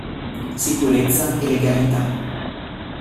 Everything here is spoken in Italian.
Sicurezza e Legalità.